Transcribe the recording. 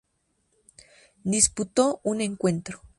Disputó un encuentro.